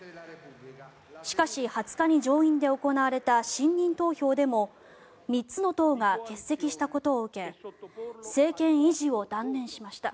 しかし、２０日に上院で行われた信任投票でも３つの党が欠席したことを受け政権維持を断念しました。